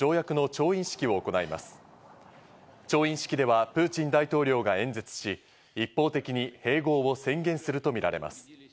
調印式ではプーチン大統領が演説し、一方的に併合を宣言するとみられます。